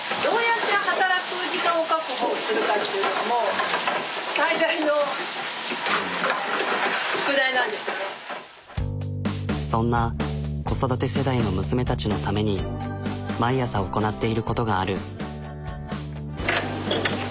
もうそんな子育て世代の娘たちのために毎朝行なっていることがある。